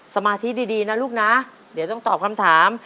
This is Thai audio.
สมาธิดีนะลูกนะเดี๋ยวต้องตอบคำถาม